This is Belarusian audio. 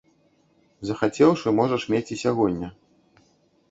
Захацеўшы, можаш мець і сягоння.